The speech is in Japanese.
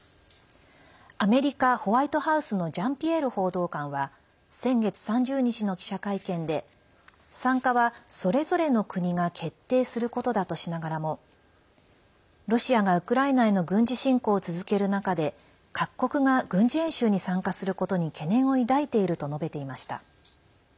アメリカ・ホワイトハウスのジャンピエール報道官は先月３０日の記者会見で参加は、それぞれの国が決定することだとしながらもロシアがウクライナへの軍事侵攻を続ける中で各国が軍事演習に参加することに懸念を抱いていると述べていました。